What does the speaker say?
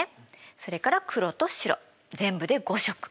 それから黒と白全部で５色。